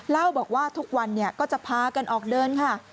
เล่าบอกว่าทุกวันก็จะพากันออกเดินค่ะ